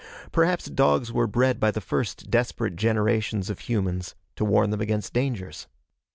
Perhaps dogs were bred by the first desperate generations of humans, to warn them against dangers.